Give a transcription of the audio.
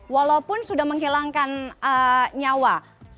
walaupun sudah menghilangkan nyawa